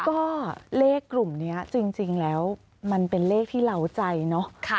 ก็เลขกลุ่มนี้จริงแล้วมันเป็นเลขที่เหล้าใจเนอะ